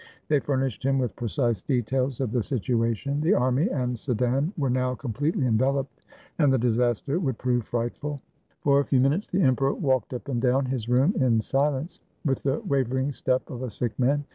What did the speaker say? They furnished him with precise details of the situation; the army and Sedan were now completely enveloped, and the disaster would prove frightful. For a few minutes the emperor walked up and down his room in silence, with the wavering step of a sick man.